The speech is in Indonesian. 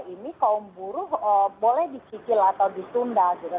ini kaum buruh boleh disikil atau disundal gitu